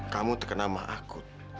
kamu terkena maakut